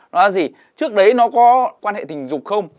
nó là gì trước đấy nó có quan hệ tình dục không